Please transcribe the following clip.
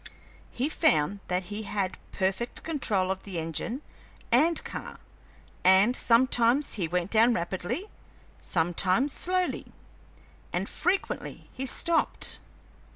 He found that he had perfect control of the engine and car, and sometimes he went down rapidly, sometimes slowly, and frequently he stopped.